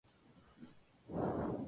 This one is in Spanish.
Participó en la serie "The Brady Bunch".